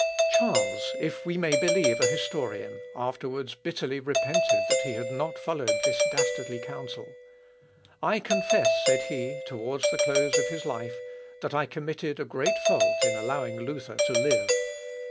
Charles, if we may believe a historian, afterwards bitterly repented that he had not followed this dastardly counsel. "I confess," said he, towards the close of his life, "that I committed a great fault in allowing Luther to live.